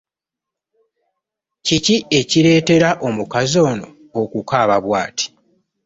Kiki ekireetera omukazi ono okukaaba bwati?